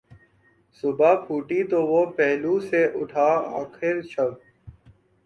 صبح پھوٹی تو وہ پہلو سے اٹھا آخر شب